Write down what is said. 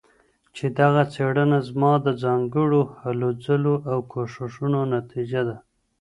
چې دغه څيړنه زما د ځانګړو هلو ځلو او کوښښونو نتيجه ده